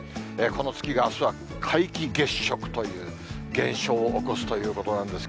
この月があすは皆既月食という現象を起こすということなんです。